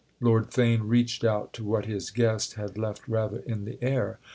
—Lord Theign reached out to what his guest had left rather in the air.